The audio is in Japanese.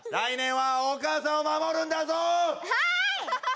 はい！